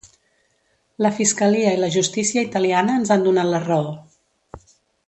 La fiscalia i la justícia italiana ens han donat la raó.